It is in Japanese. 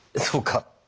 そうか。